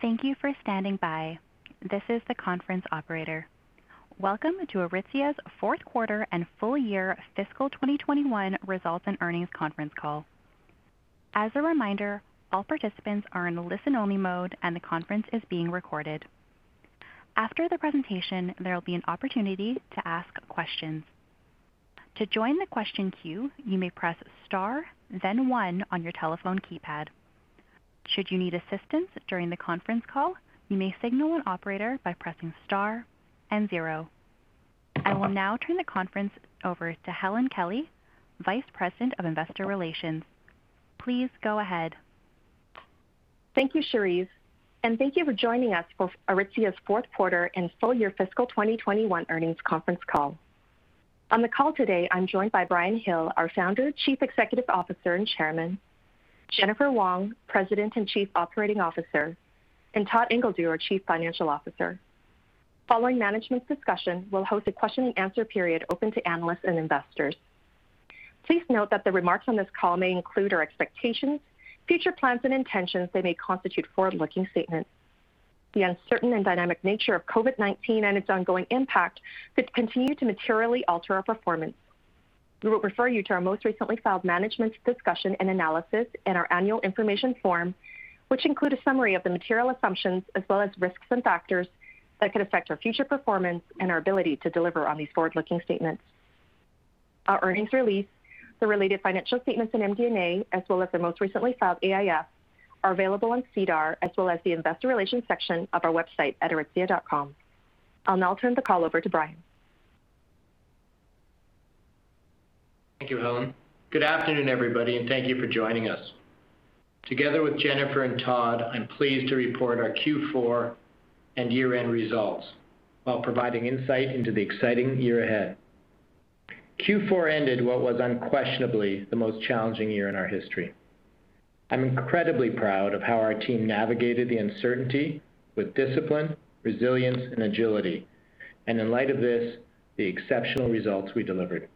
Thank you for standing by. This is the conference operator. Welcome to Aritzia's fourth quarter and full year fiscal 2021 results and earnings conference call. As a reminder, all participants are in listen only mode, and the conference is being recorded. After the presentation, there will be an opportunity to ask questions. To join the question queue, you may press star then one on your telephone keypad. Should you need assistance during the conference call, you may signal an operator by pressing star and zero. I will now turn the conference over to Helen Kelly, Vice President, Investor Relations. Please go ahead. Thank you, Charisse, and thank you for joining us for Aritzia's fourth quarter and full year fiscal 2021 earnings conference call. On the call today, I'm joined by Brian Hill, our Founder, Chief Executive Officer, and Chairman, Jennifer Wong, President and Chief Operating Officer, and Todd Ingledew, our Chief Financial Officer. Following management's discussion, we will host a question and answer period open to analysts and investors. Please note that the remarks on this call may include our expectations, future plans and intentions that may constitute forward-looking statements. The uncertain and dynamic nature of COVID-19 and its ongoing impact could continue to materially alter our performance. We will refer you to our most recently filed management discussion and analysis and our annual information form, which include a summary of the material assumptions as well as risks and factors that could affect our future performance and our ability to deliver on these forward-looking statements. Our earnings release, the related financial statements in MD&A, as well as the most recently filed AIF, are available on SEDAR, as well as the investor relations section of our website at aritzia.com. I'll now turn the call over to Brian. Thank you, Helen. Good afternoon, everybody, and thank you for joining us. Together with Jennifer and Todd, I'm pleased to report our Q4 and year-end results while providing insight into the exciting year ahead. Q4 ended what was unquestionably the most challenging year in our history. I'm incredibly proud of how our team navigated the uncertainty with discipline, resilience, and agility, and in light of this, the exceptional results we delivered.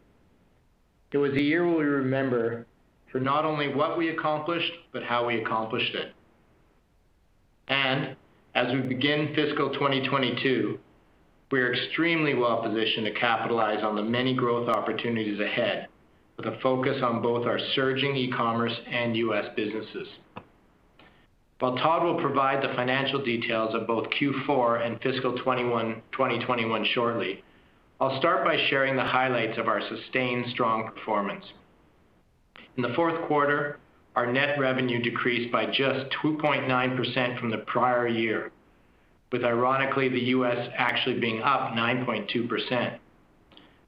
It was a year we will remember for not only what we accomplished, but how we accomplished it. As we begin fiscal 2022, we are extremely well-positioned to capitalize on the many growth opportunities ahead with a focus on both our surging e-commerce and U.S. businesses. While Todd will provide the financial details of both Q4 and fiscal 2021 shortly, I'll start by sharing the highlights of our sustained strong performance. In the fourth quarter, our net revenue decreased by just 2.9% from the prior year, with ironically the U.S. actually being up 9.2%.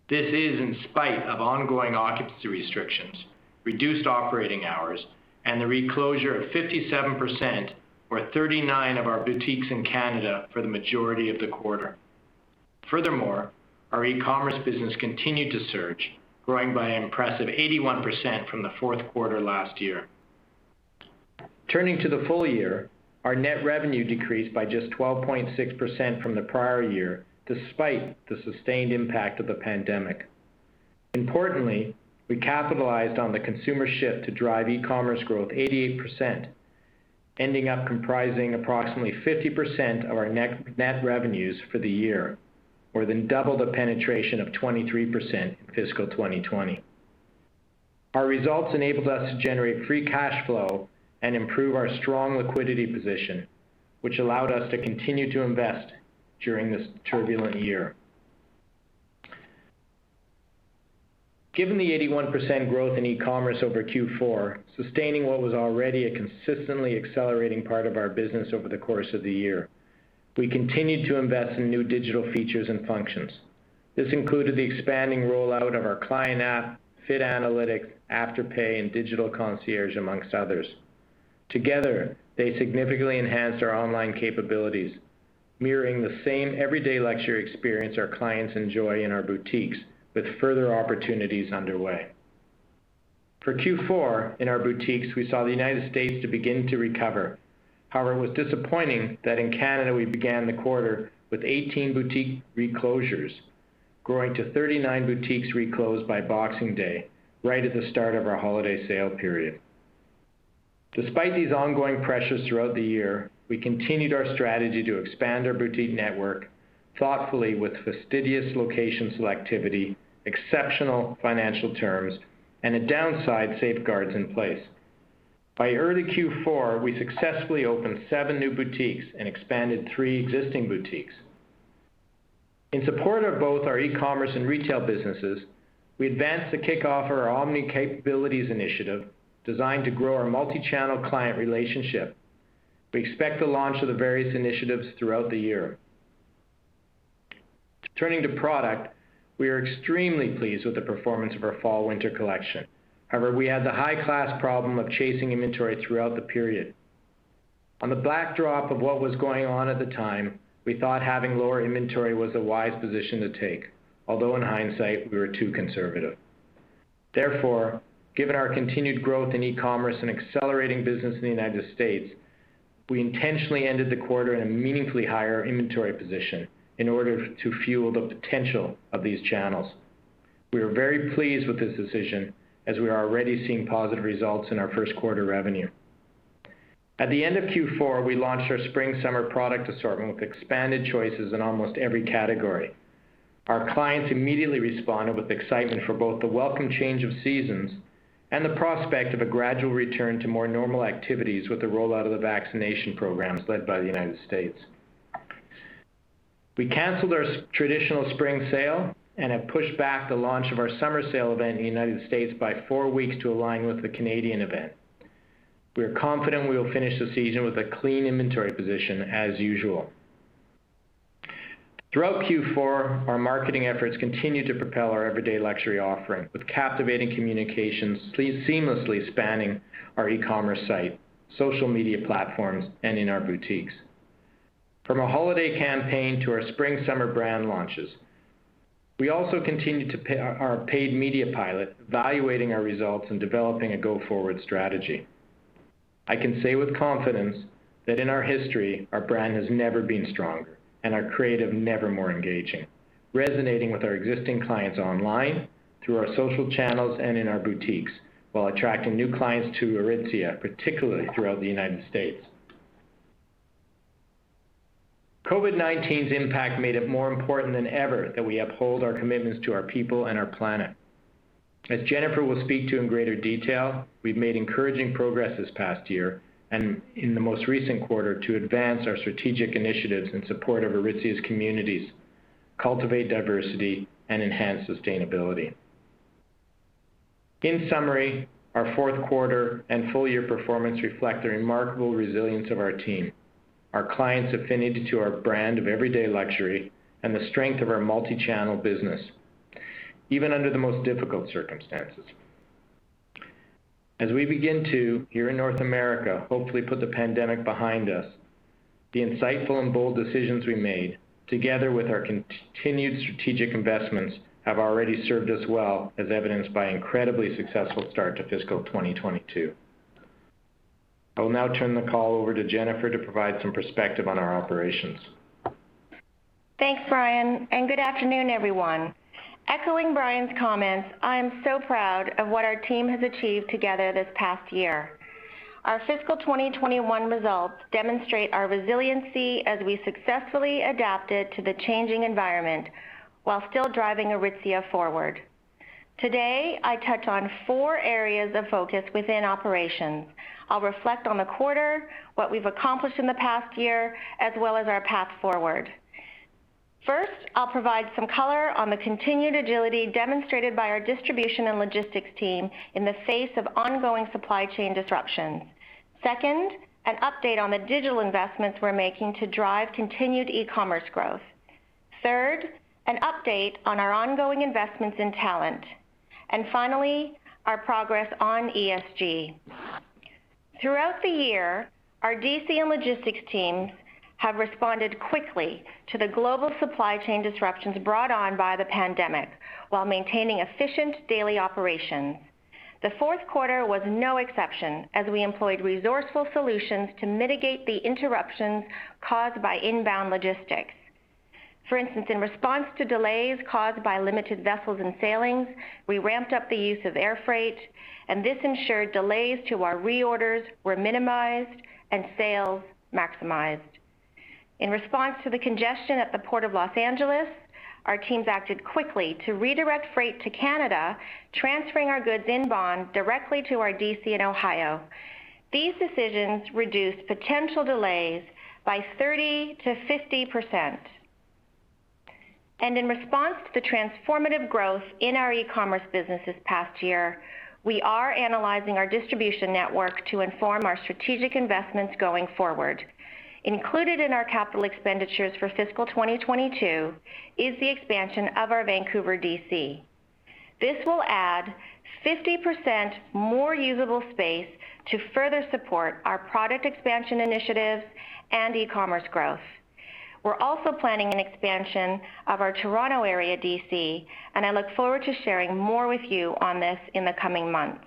This is in spite of ongoing occupancy restrictions, reduced operating hours, and the reclosure of 57%, or 39 of our boutiques in Canada for the majority of the quarter. Our e-commerce business continued to surge, growing by an impressive 81% from the fourth quarter last year. Turning to the full year, our net revenue decreased by just 12.6% from the prior year, despite the sustained impact of the pandemic. Importantly, we capitalized on the consumer shift to drive e-commerce growth 88%, ending up comprising approximately 50% of our net revenues for the year, more than double the penetration of 23% in fiscal 2020. Our results enabled us to generate free cash flow and improve our strong liquidity position, which allowed us to continue to invest during this turbulent year. Given the 81% growth in e-commerce over Q4, sustaining what was already a consistently accelerating part of our business over the course of the year, we continued to invest in new digital features and functions. This included the expanding rollout of our client app, Fit Analytics, Afterpay, and digital concierge, amongst others. Together, they significantly enhanced our online capabilities, mirroring the same everyday luxury experience our clients enjoy in our boutiques with further opportunities underway. For Q4 in our boutiques, we saw the United States to begin to recover. However, it was disappointing that in Canada we began the quarter with 18 boutique reclosures, growing to 39 boutiques reclosed by Boxing Day, right at the start of our holiday sale period. Despite these ongoing pressures throughout the year, we continued our strategy to expand our boutique network thoughtfully with fastidious location selectivity, exceptional financial terms, and the downside safeguards in place. By early Q4, we successfully opened seven new boutiques and expanded three existing boutiques. In support of both our e-commerce and retail businesses, we advanced the kickoff of our omni capabilities initiative designed to grow our multi-channel client relationship. We expect the launch of the various initiatives throughout the year. Turning to product, we are extremely pleased with the performance of our fall/winter collection. However, we had the high-class problem of chasing inventory throughout the period. On the backdrop of what was going on at the time, we thought having lower inventory was a wise position to take, although in hindsight, we were too conservative. Given our continued growth in e-commerce and accelerating business in the U.S., we intentionally ended the quarter in a meaningfully higher inventory position in order to fuel the potential of these channels. We are very pleased with this decision, as we are already seeing positive results in our first quarter revenue. At the end of Q4, we launched our spring-summer product assortment with expanded choices in almost every category. Our clients immediately responded with excitement for both the welcome change of seasons and the prospect of a gradual return to more normal activities with the rollout of the vaccination programs led by the U.S. We canceled our traditional spring sale and have pushed back the launch of our summer sale event in the U.S. by four weeks to align with the Canadian event. We are confident we will finish the season with a clean inventory position as usual. Throughout Q4, our marketing efforts continued to propel our everyday luxury offering with captivating communications seamlessly spanning our e-commerce site, social media platforms, and in our boutiques. From a holiday campaign to our spring-summer brand launches, we also continued our paid media pilot, evaluating our results, and developing a go-forward strategy. I can say with confidence that in our history, our brand has never been stronger and our creative never more engaging, resonating with our existing clients online, through our social channels, and in our boutiques while attracting new clients to Aritzia, particularly throughout the United States. COVID-19's impact made it more important than ever that we uphold our commitments to our people and our planet. As Jennifer will speak to in greater detail, we've made encouraging progress this past year and in the most recent quarter to advance our strategic initiatives in support of Aritzia's communities, cultivate diversity, and enhance sustainability. In summary, our fourth quarter and full-year performance reflect the remarkable resilience of our team, our clients' affinity to our brand of everyday luxury, and the strength of our multi-channel business, even under the most difficult circumstances. As we begin to, here in North America, hopefully put the pandemic behind us, the insightful and bold decisions we made, together with our continued strategic investments, have already served us well, as evidenced by an incredibly successful start to fiscal 2022. I will now turn the call over to Jennifer to provide some perspective on our operations. Thanks, Brian, and good afternoon, everyone. Echoing Brian's comments, I am so proud of what our team has achieved together this past year. Our fiscal 2021 results demonstrate our resiliency as we successfully adapted to the changing environment while still driving Aritzia forward. Today, I touch on four areas of focus within operations. I'll reflect on the quarter, what we've accomplished in the past year, as well as our path forward. First, I'll provide some color on the continued agility demonstrated by our distribution and logistics team in the face of ongoing supply chain disruptions. Second, an update on the digital investments we're making to drive continued e-commerce growth. Third, an update on our ongoing investments in talent. Finally, our progress on ESG. Throughout the year, our DC and logistics teams have responded quickly to the global supply chain disruptions brought on by the pandemic while maintaining efficient daily operations. The fourth quarter was no exception, as we employed resourceful solutions to mitigate the interruptions caused by inbound logistics. For instance, in response to delays caused by limited vessels and sailings, we ramped up the use of air freight, and this ensured delays to our reorders were minimized and sales maximized. In response to the congestion at the Port of Los Angeles, our teams acted quickly to redirect freight to Canada, transferring our goods in bond directly to our DC in Ohio. These decisions reduced potential delays by 30%-50%. In response to the transformative growth in our e-commerce business this past year, we are analyzing our distribution network to inform our strategic investments going forward. Included in our capital expenditures for fiscal 2022 is the expansion of our Vancouver DC. This will add 50% more usable space to further support our product expansion initiatives and e-commerce growth. We're also planning an expansion of our Toronto area DC. I look forward to sharing more with you on this in the coming months.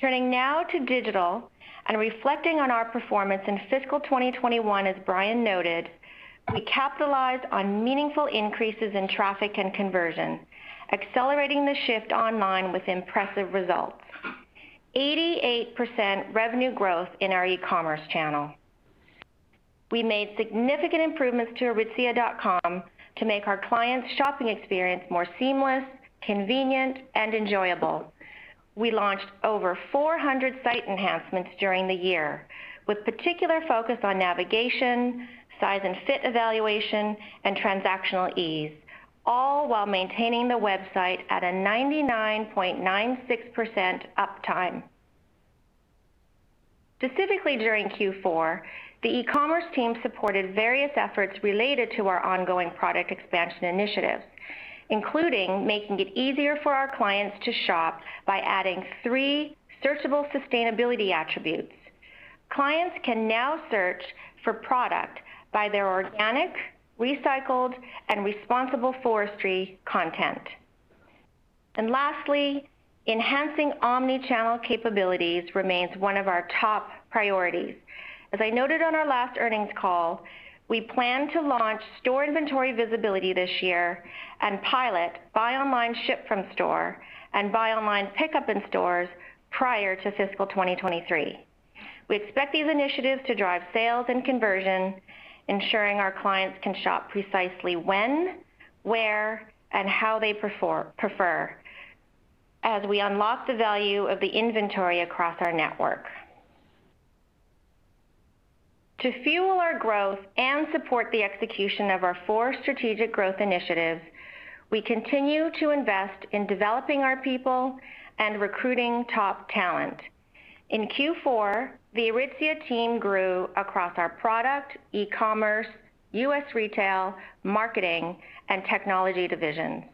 Turning now to digital and reflecting on our performance in fiscal 2021, as Brian noted, we capitalized on meaningful increases in traffic and conversion, accelerating the shift online with impressive results, 88% revenue growth in our e-commerce channel. We made significant improvements to aritizia.com to make our clients' shopping experience more seamless, convenient, and enjoyable. We launched over 400 site enhancements during the year, with particular focus on navigation, size and fit evaluation, and transactional ease, all while maintaining the website at a 99.96% uptime. Specifically during Q4, the e-commerce team supported various efforts related to our ongoing product expansion initiatives, including making it easier for our clients to shop by adding three searchable sustainability attributes. Clients can now search for product by their organic, recycled, and responsible forestry content. Lastly, enhancing omni-channel capabilities remains one of our top priorities. As I noted on our last earnings call, we plan to launch store inventory visibility this year and pilot buy online ship from store and buy online pickup in stores prior to fiscal 2023. We expect these initiatives to drive sales and conversion, ensuring our clients can shop precisely when, where, and how they prefer, as we unlock the value of the inventory across our network. To fuel our growth and support the execution of our four strategic growth initiatives, we continue to invest in developing our people and recruiting top talent. In Q4, the Aritzia team grew across our product, e-commerce, U.S. retail, marketing, and technology divisions.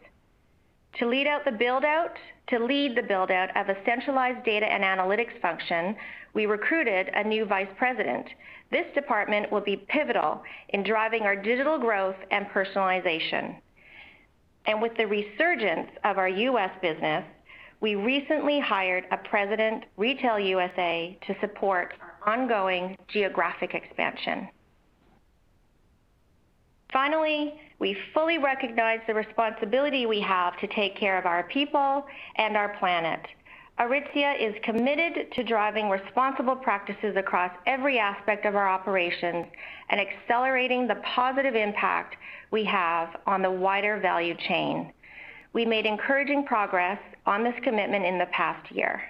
To lead the build-out of a centralized data and analytics function, we recruited a new Vice President. This department will be pivotal in driving our digital growth and personalization. With the resurgence of our U.S. business, we recently hired a President, Retail U.S.A., to support our ongoing geographic expansion. Finally, we fully recognize the responsibility we have to take care of our people and our planet. Aritzia is committed to driving responsible practices across every aspect of our operations and accelerating the positive impact we have on the wider value chain. We made encouraging progress on this commitment in the past year,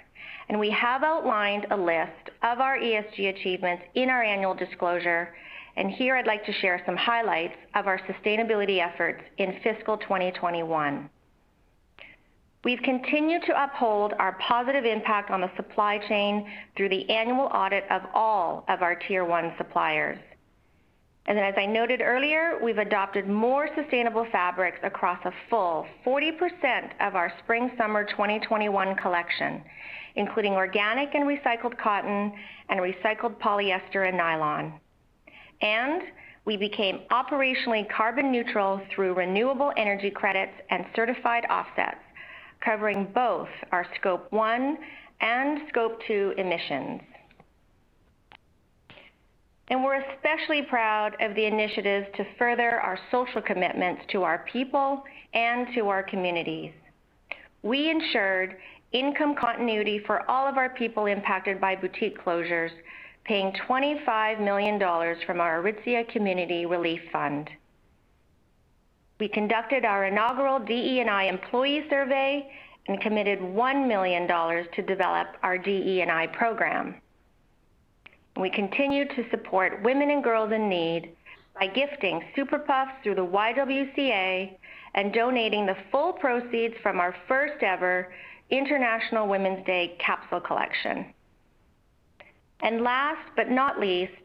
and we have outlined a list of our ESG achievements in our annual disclosure, and here I'd like to share some highlights of our sustainability efforts in fiscal 2021. We've continued to uphold our positive impact on the supply chain through the annual audit of all of our tier 1 suppliers. As I noted earlier, we've adopted more sustainable fabrics across a full 40% of our spring/summer 2021 collection, including organic and recycled cotton and recycled polyester and nylon. We became operationally carbon neutral through renewable energy credits and certified offsets, covering both our Scope 1 and Scope 2 emissions. We're especially proud of the initiatives to further our social commitments to our people and to our communities. We ensured income continuity for all of our people impacted by boutique closures, paying 25 million dollars from our Aritzia Community Relief Fund. We conducted our inaugural DE&I employee survey and committed 1 million dollars to develop our DE&I program. We continue to support women and girls in need by gifting Super Puff through the YWCA and donating the full proceeds from our first ever International Women's Day capsule collection. Last but not least,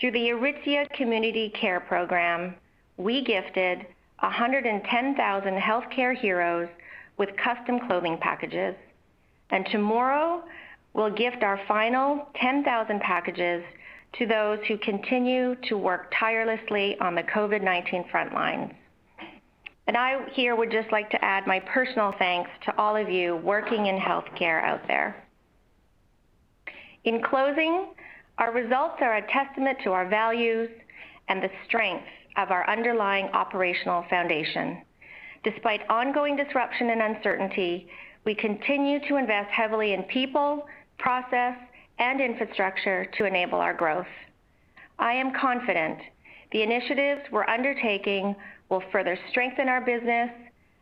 through the Aritzia Community Care Program, we gifted 110,000 healthcare heroes with custom clothing packages, and tomorrow we'll gift our final 10,000 packages to those who continue to work tirelessly on the COVID-19 front lines. I here would just like to add my personal thanks to all of you working in healthcare out there. In closing, our results are a testament to our values and the strength of our underlying operational foundation. Despite ongoing disruption and uncertainty, we continue to invest heavily in people, process, and infrastructure to enable our growth. I am confident the initiatives we're undertaking will further strengthen our business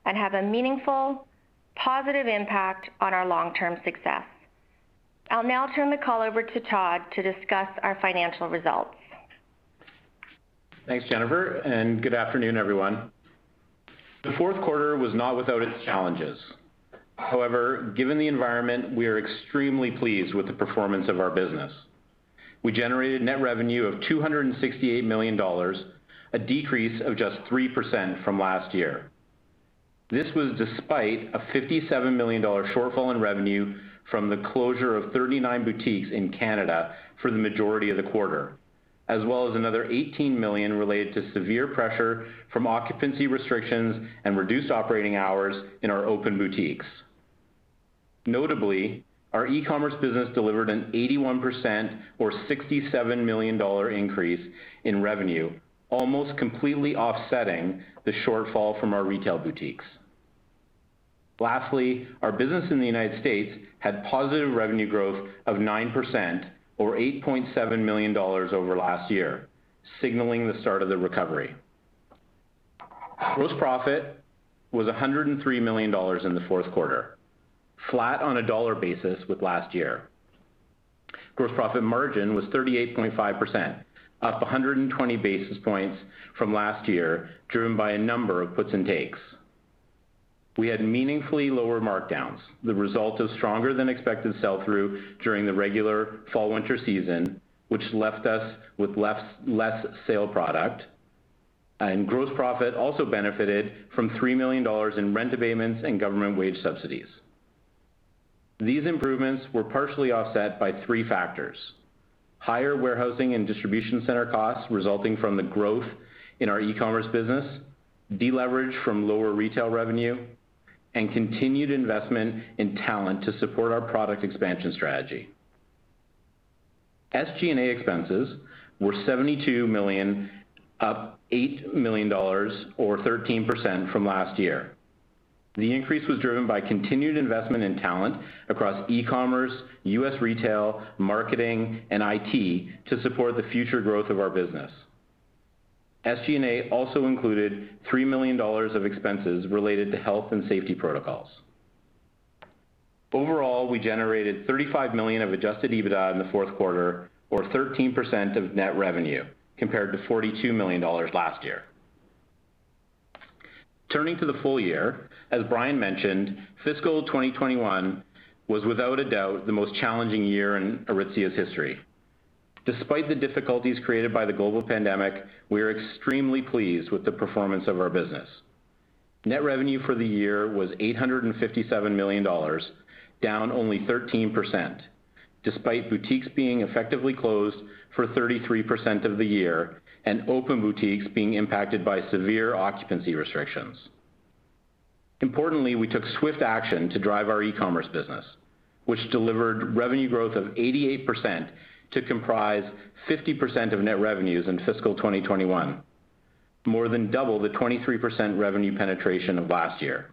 and have a meaningful, positive impact on our long-term success. I'll now turn the call over to Todd to discuss our financial results. Thanks, Jennifer, and good afternoon, everyone. The fourth quarter was not without its challenges. Given the environment, we are extremely pleased with the performance of our business. We generated net revenue of 268 million dollars, a decrease of just 3% from last year. This was despite a 57 million dollar shortfall in revenue from the closure of 39 boutiques in Canada for the majority of the quarter, as well as another 18 million related to severe pressure from occupancy restrictions and reduced operating hours in our open boutiques. Notably, our e-commerce business delivered an 81%, or 67 million dollar, increase in revenue, almost completely offsetting the shortfall from our retail boutiques. Lastly, our business in the United States had positive revenue growth of 9%, or 8.7 million dollars over last year, signaling the start of the recovery. Gross profit was 103 million dollars in the fourth quarter, flat on a dollar basis with last year. Gross profit margin was 38.5%, up 120 basis points from last year, driven by a number of puts and takes. We had meaningfully lower markdowns, the result of stronger than expected sell-through during the regular fall/winter season, which left us with less sale product. Gross profit also benefited from 3 million dollars in rent abatements and government wage subsidies. These improvements were partially offset by three factors. higher warehousing and distribution center costs resulting from the growth in our e-commerce business, deleverage from lower retail revenue, and continued investment in talent to support our product expansion strategy. SG&A expenses were 72 million, up 8 million dollars or 13% from last year. The increase was driven by continued investment in talent across e-commerce, U.S. retail, marketing, and IT to support the future growth of our business. SG&A also included 3 million dollars of expenses related to health and safety protocols. Overall, we generated 35 million of adjusted EBITDA in the fourth quarter or 13% of net revenue, compared to 42 million dollars last year. Turning to the full year, as Brian mentioned, fiscal 2021 was without a doubt the most challenging year in Aritzia's history. Despite the difficulties created by the global pandemic, we are extremely pleased with the performance of our business. Net revenue for the year was 857 million dollars, down only 13%, despite boutiques being effectively closed for 33% of the year, and open boutiques being impacted by severe occupancy restrictions. Importantly, we took swift action to drive our e-commerce business, which delivered revenue growth of 88% to comprise 50% of net revenues in fiscal 2021, more than double the 23% revenue penetration of last year.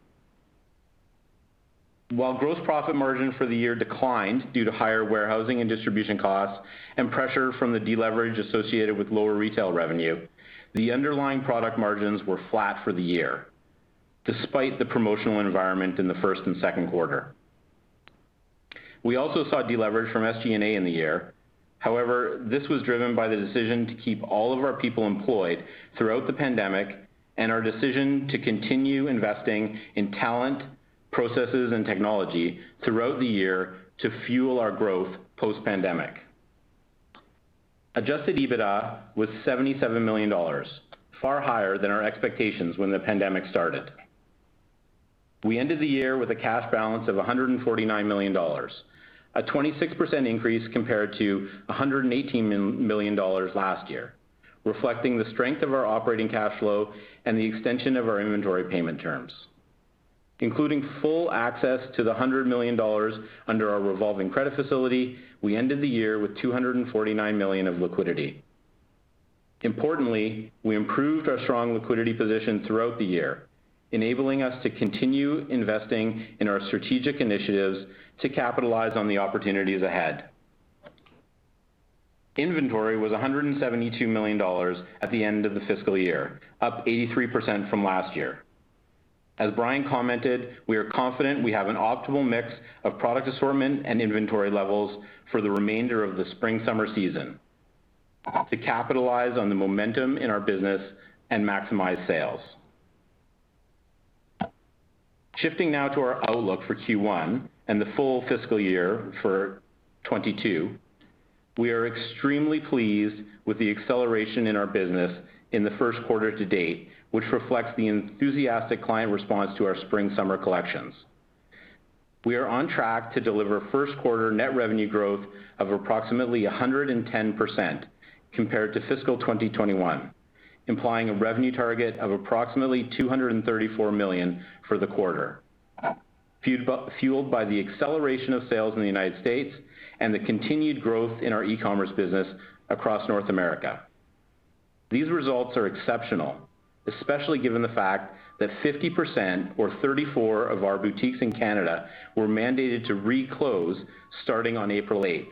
While gross profit margin for the year declined due to higher warehousing and distribution costs and pressure from the deleverage associated with lower retail revenue, the underlying product margins were flat for the year, despite the promotional environment in the first and second quarter. We also saw deleverage from SG&A in the year. However, this was driven by the decision to keep all of our people employed throughout the pandemic and our decision to continue investing in talent, processes, and technology throughout the year to fuel our growth post-pandemic. Adjusted EBITDA was 77 million dollars, far higher than our expectations when the pandemic started. We ended the year with a cash balance of 149 million dollars, a 26% increase compared to 118 million dollars last year, reflecting the strength of our operating cash flow and the extension of our inventory payment terms. Including full access to the 100 million dollars under our revolving credit facility, we ended the year with 249 million of liquidity. Importantly, we improved our strong liquidity position throughout the year, enabling us to continue investing in our strategic initiatives to capitalize on the opportunities ahead. Inventory was 172 million dollars at the end of the fiscal year, up 83% from last year. As Brian commented, we are confident we have an optimal mix of product assortment and inventory levels for the remainder of the spring-summer season to capitalize on the momentum in our business and maximize sales. Shifting now to our outlook for Q1 and the full fiscal year for 2022. We are extremely pleased with the acceleration in our business in the first quarter to date, which reflects the enthusiastic client response to our spring-summer collections. We are on track to deliver first quarter net revenue growth of approximately 110% compared to fiscal 2021, implying a revenue target of approximately 234 million for the quarter, fueled by the acceleration of sales in the United States and the continued growth in our e-commerce business across North America. These results are exceptional, especially given the fact that 50% or 34 of our boutiques in Canada were mandated to re-close starting on April 8th,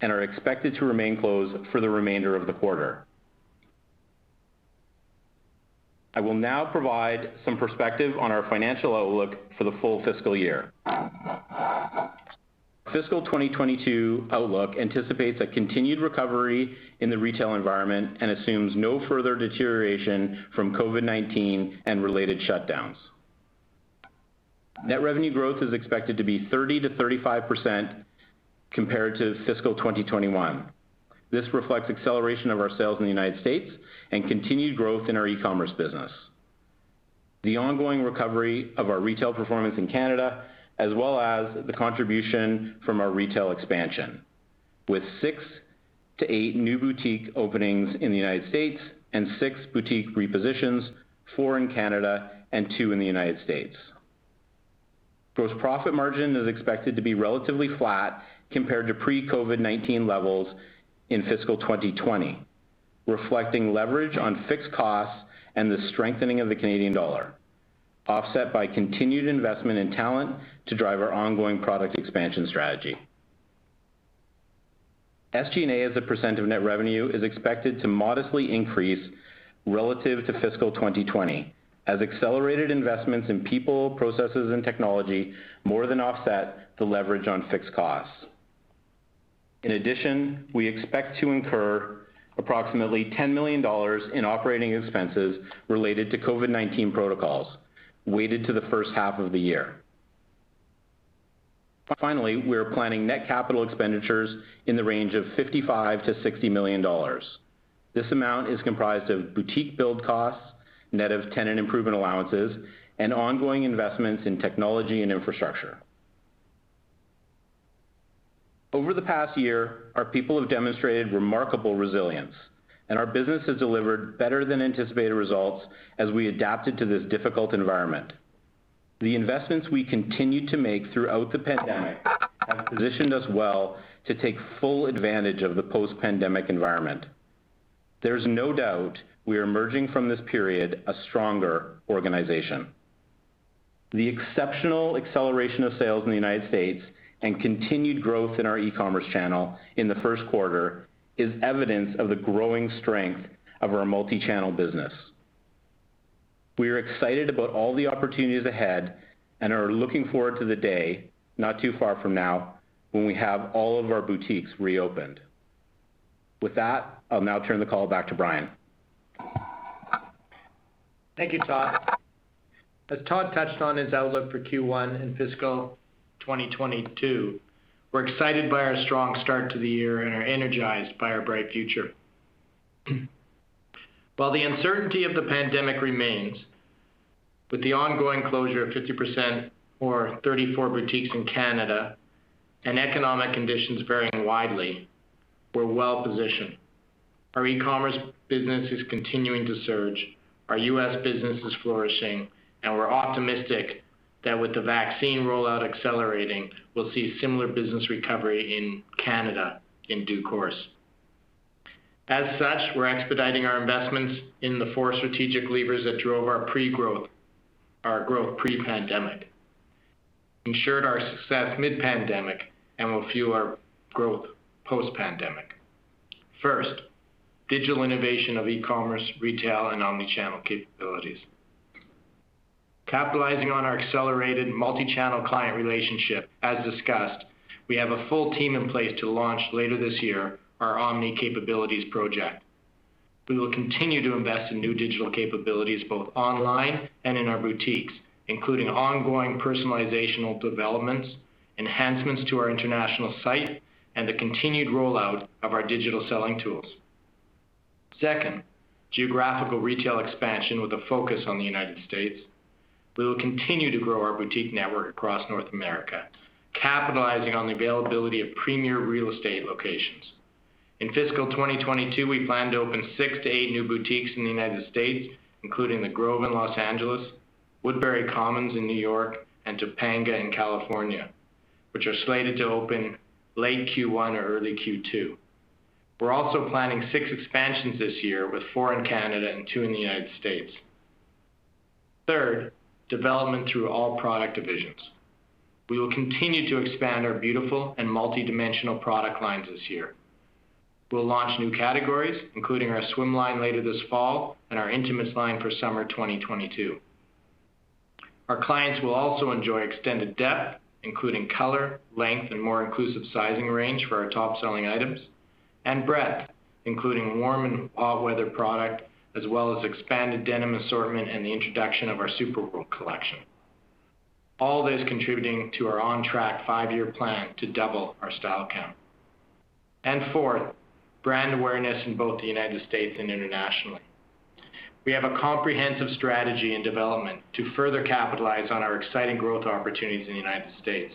and are expected to remain closed for the remainder of the quarter. I will now provide some perspective on our financial outlook for the full fiscal year. Fiscal 2022 outlook anticipates a continued recovery in the retail environment and assumes no further deterioration from COVID-19 and related shutdowns. Net revenue growth is expected to be 30%-35% compared to fiscal 2021. This reflects acceleration of our sales in the United States and continued growth in our e-commerce business, the ongoing recovery of our retail performance in Canada, as well as the contribution from our retail expansion, with six to eight new boutique openings in the United States and six boutique repositions, four in Canada and two in the United States. Gross profit margin is expected to be relatively flat compared to pre-COVID-19 levels in fiscal 2020, reflecting leverage on fixed costs and the strengthening of the Canadian dollar, offset by continued investment in talent to drive our ongoing product expansion strategy. SG&A as a % of net revenue is expected to modestly increase relative to fiscal 2020, as accelerated investments in people, processes, and technology more than offset the leverage on fixed costs. We expect to incur approximately 10 million dollars in operating expenses related to COVID-19 protocols, weighted to the first half of the year. Finally, we are planning net capital expenditures in the range of 55 million-60 million dollars. This amount is comprised of boutique build costs, net of tenant improvement allowances, and ongoing investments in technology and infrastructure. Over the past year, our people have demonstrated remarkable resilience, and our business has delivered better than anticipated results as we adapted to this difficult environment. The investments we continued to make throughout the pandemic have positioned us well to take full advantage of the post-pandemic environment. There's no doubt we are emerging from this period a stronger organization. The exceptional acceleration of sales in the U.S. and continued growth in our e-commerce channel in the first quarter is evidence of the growing strength of our multi-channel business. We are excited about all the opportunities ahead and are looking forward to the day, not too far from now, when we have all of our boutiques reopened. With that, I'll now turn the call back to Brian. Thank you, Todd. As Todd touched on his outlook for Q1 and fiscal 2022, we're excited by our strong start to the year and are energized by our bright future. While the uncertainty of the pandemic remains, with the ongoing closure of 50%, or 34 boutiques in Canada, and economic conditions varying widely, we're well-positioned. Our e-commerce business is continuing to surge, our U.S. business is flourishing, and we're optimistic that with the vaccine rollout accelerating, we'll see similar business recovery in Canada in due course. As such, we're expediting our investments in the four strategic levers that drove our growth pre-pandemic, ensured our success mid-pandemic, and will fuel our growth post-pandemic. First, digital innovation of e-commerce, retail, and omni-channel capabilities. Capitalizing on our accelerated multi-channel client relationship, as discussed, we have a full team in place to launch, later this year, our omni-capabilities project. We will continue to invest in new digital capabilities both online and in our boutiques, including ongoing personalization developments, enhancements to our international site, and the continued rollout of our digital selling tools. Second, geographical retail expansion with a focus on the United States. We will continue to grow our boutique network across North America, capitalizing on the availability of premier real estate locations. In fiscal 2022, we plan to open six to eight new boutiques in the United States, including The Grove in Los Angeles, Woodbury Commons in New York, and Topanga in California, which are slated to open late Q1 or early Q2. We're also planning six expansions this year, with four in Canada and two in the United States. Third, development through all product divisions. We will continue to expand our beautiful and multidimensional product lines this year. We'll launch new categories, including our swim line later this fall and our intimates line for summer 2022. Our clients will also enjoy extended depth, including color, length, and more inclusive sizing range for our top-selling items, and breadth, including warm and all-weather product, as well as expanded denim assortment and the introduction of our Superwool collection. All this contributing to our on-track five-year plan to double our style count. Fourth, brand awareness in both the United States and internationally. We have a comprehensive strategy in development to further capitalize on our exciting growth opportunities in the United States,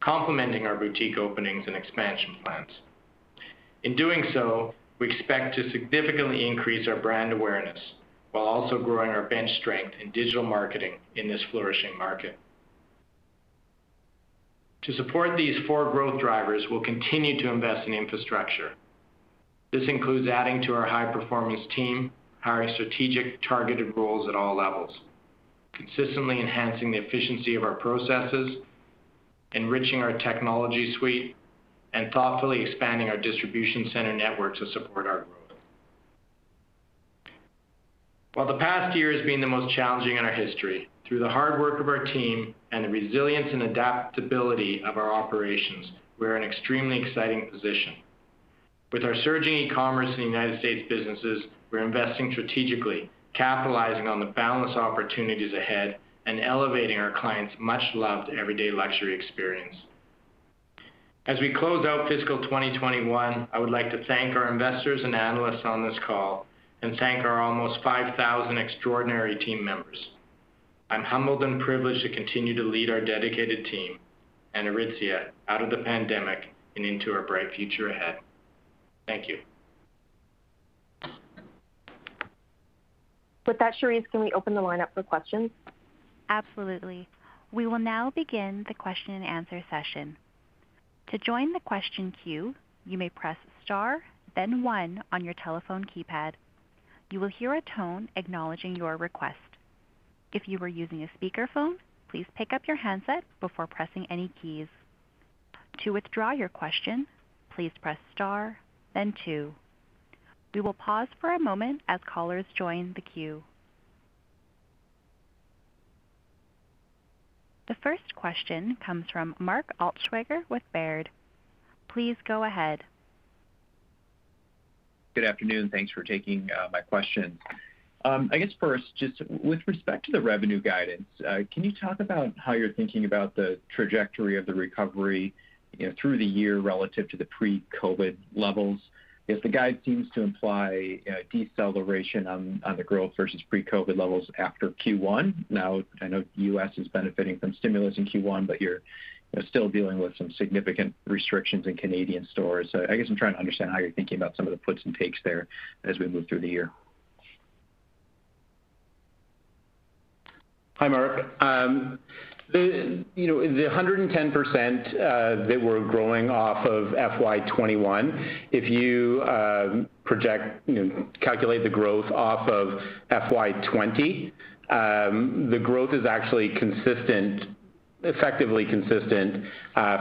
complementing our boutique openings and expansion plans. In doing so, we expect to significantly increase our brand awareness while also growing our bench strength in digital marketing in this flourishing market. To support these four growth drivers, we'll continue to invest in infrastructure. This includes adding to our high-performance team, hiring strategic targeted roles at all levels, consistently enhancing the efficiency of our processes, enriching our technology suite, and thoughtfully expanding our distribution center network to support our growth. While the past year has been the most challenging in our history, through the hard work of our team and the resilience and adaptability of our operations, we're in an extremely exciting position. With our surging e-commerce in the United States businesses, we're investing strategically, capitalizing on the boundless opportunities ahead, and elevating our clients' much-loved everyday luxury experience. As we close out fiscal 2021, I would like to thank our investors and analysts on this call and thank our almost 5,000 extraordinary team members. I'm humbled and privileged to continue to lead our dedicated team and Aritzia out of the pandemic and into our bright future ahead. Thank you. With that, Cherise, can we open the line up for questions? Absolutely. We will now begin the question and answer session. To join the question queue, you may press star then one on your telephone keypad. You will hear a tone acknowledging your request. If you are using a speakerphone, please pick up your handset before pressing any keys. To withdraw your question, please press star then two. We will pause for a moment as callers join the queue. The first question comes from Mark Altschwager with Baird. Please go ahead. Good afternoon. Thanks for taking my question I guess first, just with respect to the revenue guidance, can you talk about how you're thinking about the trajectory of the recovery through the year relative to the pre-COVID levels? Because the guide seems to imply a deceleration on the growth versus pre-COVID levels after Q1. Now, I know U.S. is benefiting from stimulus in Q1, but you're still dealing with some significant restrictions in Canadian stores. I guess I'm trying to understand how you're thinking about some of the puts and takes there as we move through the year. Hi, Mark. The 110% that we're growing off of FY 2021, if you calculate the growth off of FY 2020, the growth is actually effectively consistent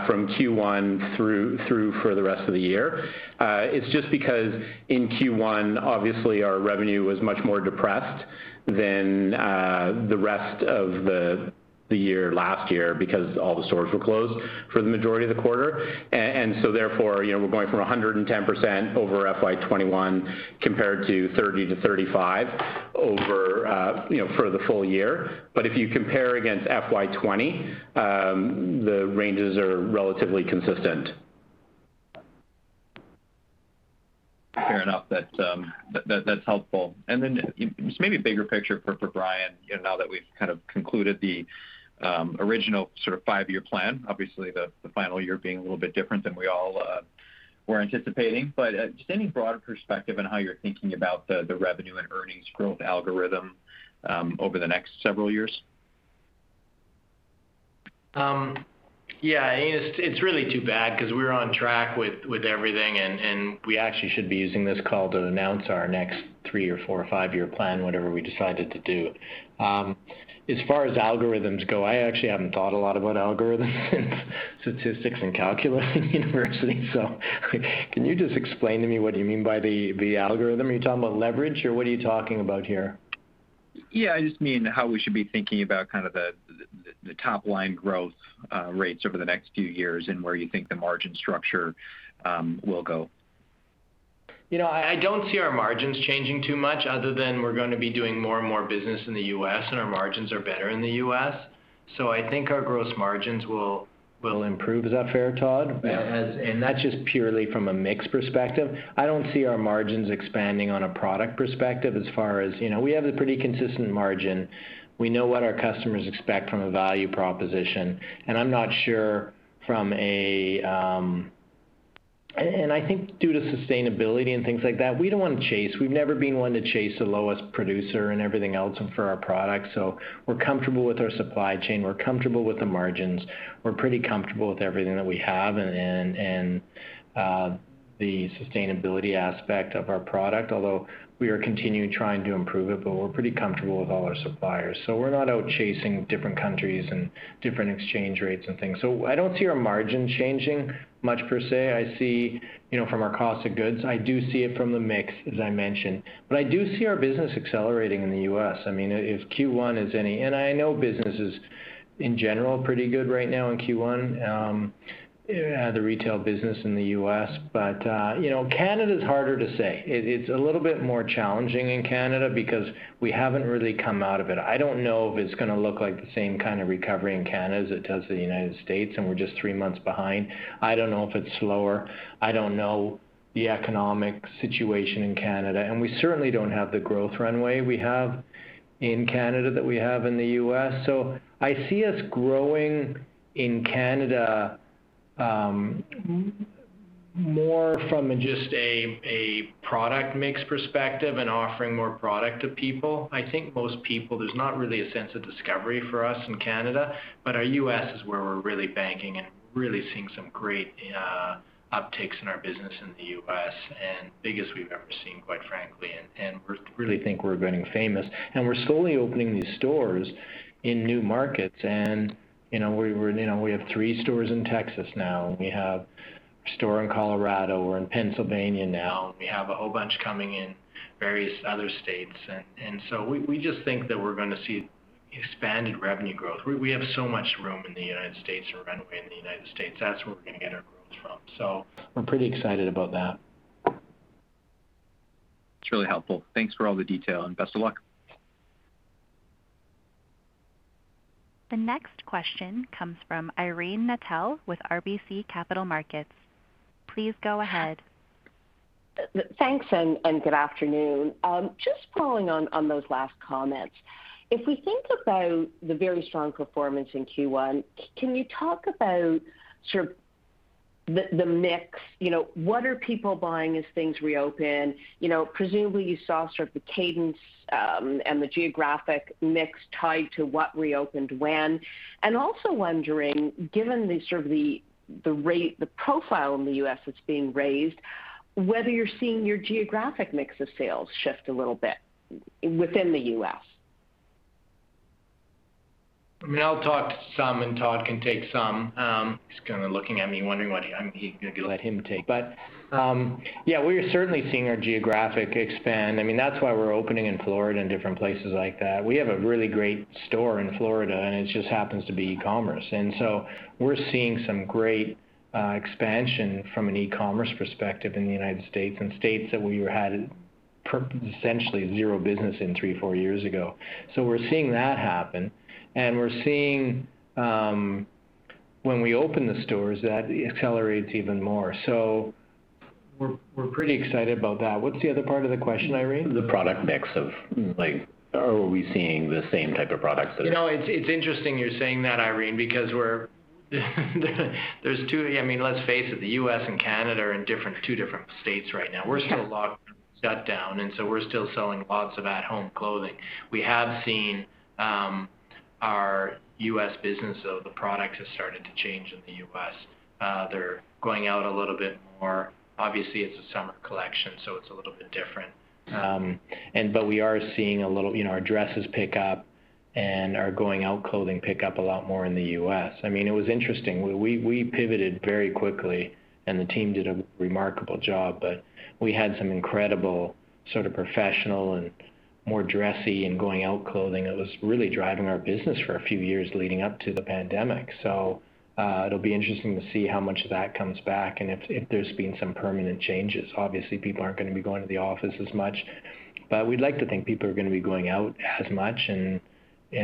from Q1 through for the rest of the year. It's just because in Q1, obviously, our revenue was much more depressed than the rest of the year last year because all the stores were closed for the majority of the quarter. therefore, we're going from 110% over FY 2021 compared to 30 to 35 for the full year. If you compare against FY 2020, the ranges are relatively consistent. Fair enough. That's helpful. Then, just maybe a bigger picture for Brian, now that we've kind of concluded the original sort of five-year plan, obviously the final year being a little bit different than we all were anticipating. Just any broader perspective on how you're thinking about the revenue and earnings growth algorithm over the next several years? Yeah. It's really too bad because we were on track with everything, and we actually should be using this call to announce our next three or four or five-year plan, whatever we decided to do. As far as algorithms go, I actually haven't thought a lot about algorithms since statistics and calculus in university. can you just explain to me what do you mean by the algorithm? Are you talking about leverage or what are you talking about here? Yeah, I just mean how we should be thinking about kind of the top-line growth rates over the next few years and where you think the margin structure will go. I don't see our margins changing too much other than we're going to be doing more and more business in the U.S. and our margins are better in the U.S. I think our gross margins will improve. Is that fair, Todd? Yeah. That's just purely from a mix perspective. I don't see our margins expanding on a product perspective as far as we have a pretty consistent margin. We know what our customers expect from a value proposition, and I think due to sustainability and things like that, we don't want to chase. We've never been one to chase the lowest producer and everything else for our products. We're comfortable with our supply chain. We're comfortable with the margins. We're pretty comfortable with everything that we have and the sustainability aspect of our product. Although we are continually trying to improve it, but we're pretty comfortable with all our suppliers. We're not out chasing different countries and different exchange rates and things. I don't see our margin changing much per se. From our cost of goods, I do see it from the mix, as I mentioned. I do see our business accelerating in the U.S. I know business is, in general, pretty good right now in Q1, the retail business in the U.S. Canada is harder to say. It's a little bit more challenging in Canada because we haven't really come out of it. I don't know if it's going to look like the same kind of recovery in Canada as it does the United States, and we're just three months behind. I don't know if it's slower. I don't know the economic situation in Canada, and we certainly don't have the growth runway we have in Canada that we have in the U.S. I see us growing in Canada more from just a product mix perspective and offering more product to people. I think most people, there's not really a sense of discovery for us in Canada, but our U.S. is where we're really banking and really seeing some great upticks in our business in the U.S., and biggest we've ever seen, quite frankly, and we really think we're getting famous. We're slowly opening these stores in new markets, and we have three stores in Texas now, and we have a store in Colorado. We're in Pennsylvania now, and we have a whole bunch coming in various other states. We just think that we're going to see expanded revenue growth. We have so much room in the United States, and we're going to win the United States. That's where we're going to get our growth from. We're pretty excited about that. It's really helpful. Thanks for all the detail, and best of luck. The next question comes from Irene Nattel with RBC Capital Markets. Please go ahead. Thanks, and good afternoon. Just following on those last comments. If we think about the very strong performance in Q1, can you talk about sort of the mix? What are people buying as things reopen? Presumably, you saw sort of the cadence and the geographic mix tied to what reopened when. Also wondering, given the sort of the profile in the U.S. that's being raised, whether you're seeing your geographic mix of sales shift a little bit within the U.S. I mean, I'll talk to some, and Todd can take some. He's kind of looking at me, wondering what I. Maybe let him take. Yeah, we are certainly seeing our geographic expansion. That's why we're opening in Florida and different places like that. We have a really great store in Florida, and it just happens to be e-commerce. We're seeing some great expansion from an e-commerce perspective in the United States and states that we had- essentially zero business in three, four years ago. We're seeing that happen, and we're seeing when we open the stores, that it accelerates even more. We're pretty excited about that. What's the other part of the question, Irene? Are we seeing the same type of products that are- It's interesting you're saying that, Irene, because let's face it, the U.S. and Canada are in two different states right now. Sure. We're still locked down, shut down, and so we're still selling lots of at-home clothing. We have seen our U.S. business, so the products have started to change in the U.S. They're going out a little bit more. Obviously, it's a summer collection, so it's a little bit different. We are seeing our dresses pick up and our going-out clothing pick up a lot more in the U.S. It was interesting. We pivoted very quickly, and the team did a remarkable job, but we had some incredible sort of professional and more dressy and going-out clothing that was really driving our business for a few years leading up to the pandemic. It'll be interesting to see how much of that comes back and if there's been some permanent changes. Obviously, people aren't going to be going to the office as much, but we'd like to think people are going to be going out as much and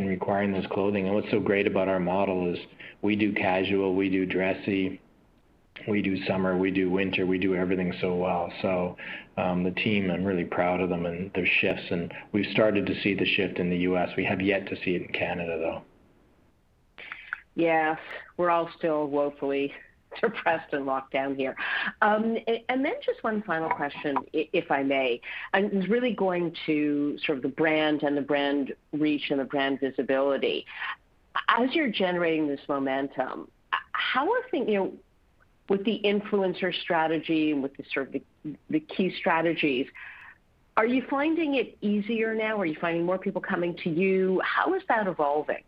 requiring this clothing. What's so great about our model is we do casual, we do dressy, we do summer, we do winter, we do everything so well. The team, I'm really proud of them and their shifts, and we've started to see the shift in the U.S. We have yet to see it in Canada, though. Yeah. We're all still woefully suppressed and locked down here. Just one final question, if I may. This is really going to sort of the brand and the brand reach and the brand visibility. As you're generating this momentum, with the influencer strategy and with the sort of the key strategies, are you finding it easier now? Are you finding more people coming to you? How is that evolving?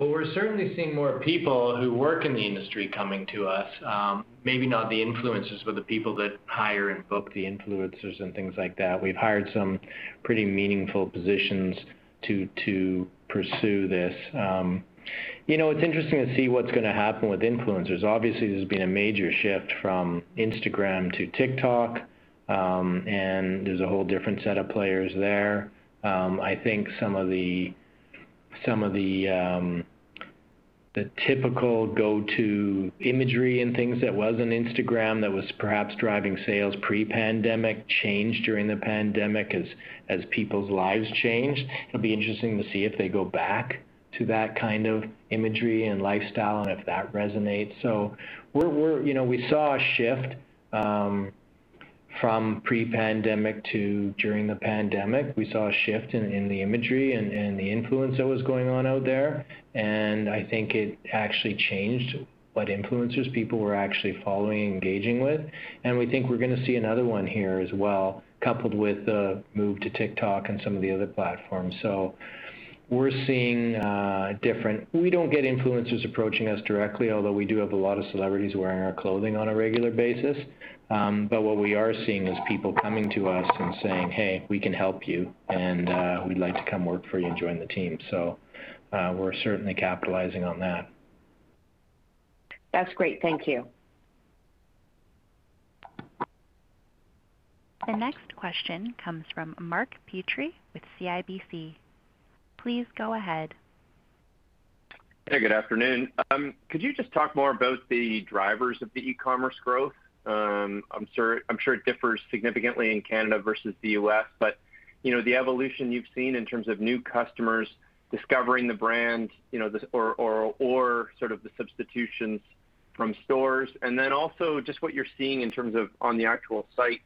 Well, we're certainly seeing more people who work in the industry coming to us. Maybe not the influencers, but the people that hire and book the influencers and things like that. We've hired some pretty meaningful positions to pursue this. It's interesting to see what's going to happen with influencers. Obviously, there's been a major shift from Instagram to TikTok, and there's a whole different set of players there. I think some of the typical go-to imagery and things that was on Instagram that was perhaps driving sales pre-pandemic changed during the pandemic as people's lives changed. It'll be interesting to see if they go back to that kind of imagery and lifestyle, and if that resonates. We saw a shift from pre-pandemic to during the pandemic. We saw a shift in the imagery and the influence that was going on out there, and I think it actually changed what influencers people were actually following and engaging with. We think we're going to see another one here as well, coupled with the move to TikTok and some of the other platforms. We don't get influencers approaching us directly, although we do have a lot of celebrities wearing our clothing on a regular basis. What we are seeing is people coming to us and saying, "Hey, we can help you, and we'd like to come work for you and join the team." We're certainly capitalizing on that. That's great. Thank you. The next question comes from Mark Petrie with CIBC. Please go ahead. Hey, good afternoon. Could you just talk more about the drivers of the e-commerce growth? I'm sure it differs significantly in Canada versus the U.S., but the evolution you've seen in terms of new customers discovering the brand, or sort of the substitutions from stores. Then also just what you're seeing in terms of on the actual site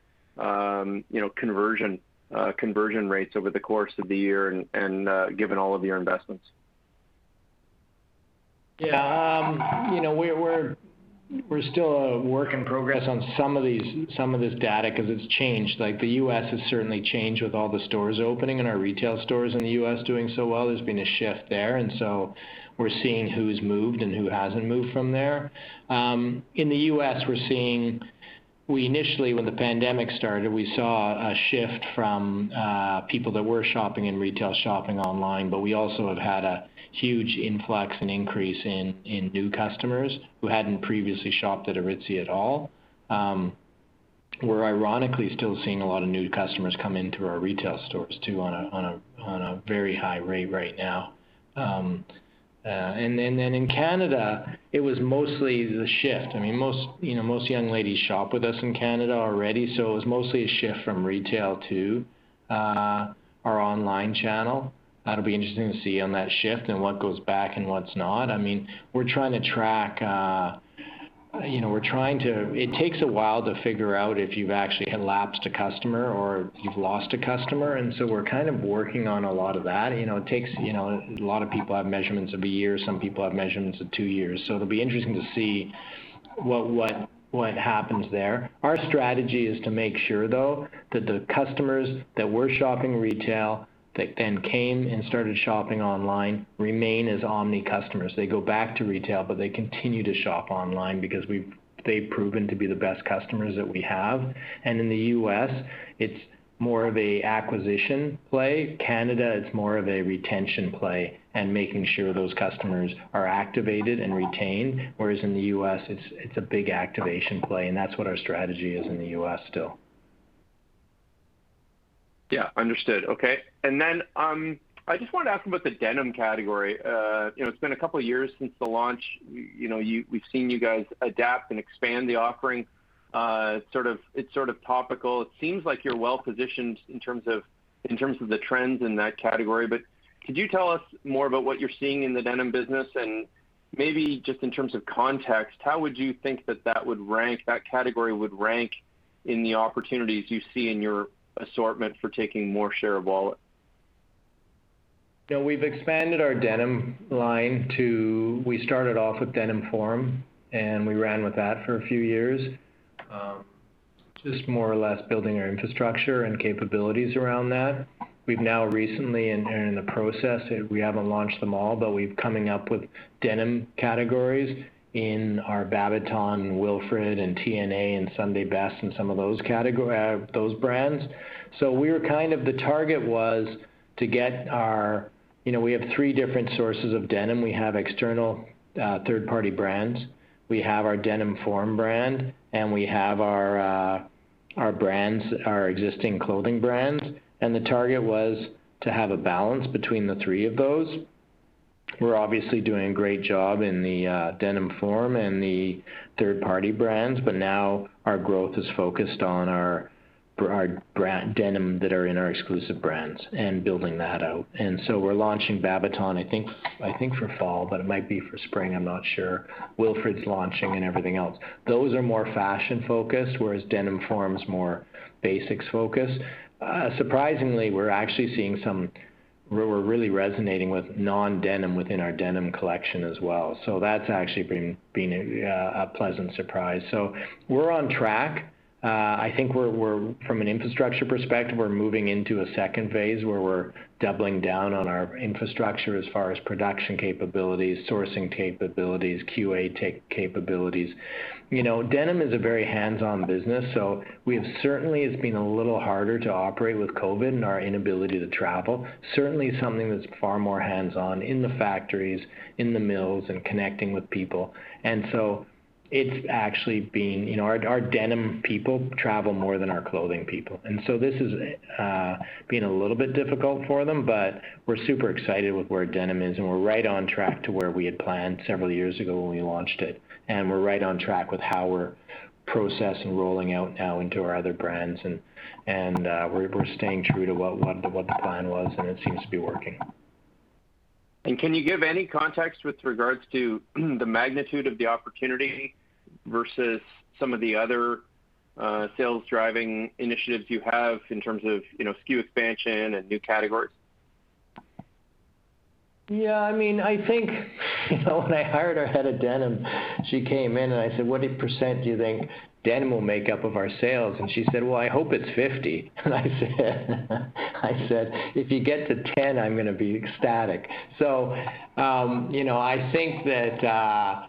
conversion rates over the course of the year and given all of your investments. Yeah. We're still a work in progress on some of this data because it's changed. The U.S. has certainly changed with all the stores opening and our retail stores in the U.S. doing so well. There's been a shift there, and so we're seeing who's moved and who hasn't moved from there. In the U.S., we initially, when the pandemic started, we saw a shift from people that were shopping in retail shopping online, but we also have had a huge influx and increase in new customers who hadn't previously shopped at Aritzia at all. We're ironically still seeing a lot of new customers come into our retail stores, too, on a very high rate right now. In Canada, it was mostly the shift. Most young ladies shop with us in Canada already, so it was mostly a shift from retail to our online channel. That'll be interesting to see on that shift and what goes back and what's not. It takes a while to figure out if you've actually had lapsed a customer or you've lost a customer, and so we're kind of working on a lot of that. A lot of people have measurements of a year, some people have measurements of two years. It'll be interesting to see what happens there. Our strategy is to make sure, though, that the customers that were shopping retail that then came and started shopping online remain as omni customers. They go back to retail, but they continue to shop online because they've proven to be the best customers that we have. In the U.S., it's more of a acquisition play. Canada, it's more of a retention play and making sure those customers are activated and retained. Whereas in the U.S., it's a big activation play, and that's what our strategy is in the U.S. still. Yeah. Understood. Okay. I just wanted to ask about the denim category. It's been a couple of years since the launch. We've seen you guys adapt and expand the offering. It's sort of topical. It seems like you're well positioned in terms of the trends in that category, but could you tell us more about what you're seeing in the denim business? Maybe just in terms of context, how would you think that category would rank in the opportunities you see in your assortment for taking more share of wallet? We started off with Denim Forum, and we ran with that for a few years. Just more or less building our infrastructure and capabilities around that. We've now recently, and are in the process, we haven't launched them all, but we're coming up with denim categories in our Babaton, Wilfred, and TNA, and Sunday Best, and some of those brands. We have three different sources of denim, we have external third-party brands, we have our Denim Forum brand, and we have our existing clothing brands. The target was to have a balance between the three of those. We're obviously doing a great job in the Denim Forum and the third-party brands, but now our growth is focused on our denim that are in our exclusive brands and building that out. We're launching Babaton, I think for fall, but it might be for spring, I'm not sure. Wilfred's launching and everything else. Those are more fashion-focused, whereas Denim Forum's more basics focused. Surprisingly, we're really resonating with non-denim within our denim collection as well. that's actually been a pleasant surprise. we're on track. I think from an infrastructure perspective, we're moving into a second phase where we're doubling down on our infrastructure as far as production capabilities, sourcing capabilities, QA capabilities. Denim is a very hands-on business, so certainly it's been a little harder to operate with COVID and our inability to travel. Certainly something that's far more hands-on in the factories, in the mills, and connecting with people. it's actually been our denim people travel more than our clothing people. This has been a little bit difficult for them, but we're super excited with where denim is, and we're right on track to where we had planned several years ago when we launched it. We're right on track with how we're processing, rolling out now into our other brands, and we're staying true to what the plan was, and it seems to be working. Can you give any context with regards to the magnitude of the opportunity versus some of the other sales-driving initiatives you have in terms of SKU expansion and new categories? Yeah. When I hired our head of denim, she came in and I said, "What percent do you think denim will make up of our sales?" She said, "Well, I hope it's 50%." I said, "If you get to 10%, I'm going to be ecstatic." I think that